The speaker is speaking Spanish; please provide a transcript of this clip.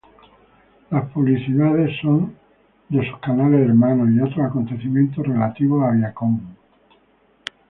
Las publicidades son de sus canales hermanos, y otros acontecimientos relativos a Viacom.